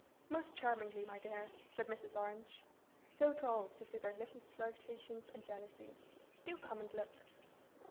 'Most charmingly, my dear!' said Mrs. Orange. 'So droll to see their little flirtations and jealousies! Do come and look!